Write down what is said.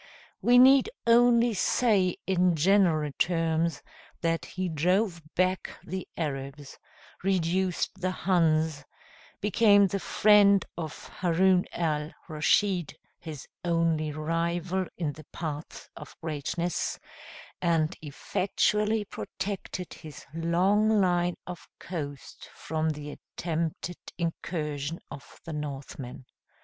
We need only say in general terms, that he drove back the Arabs, reduced the Huns, became the friend of Haroun al Raschid, his only rival in the paths of greatness, and effectually protected his long line of coast from the attempted incursion of the Northmen.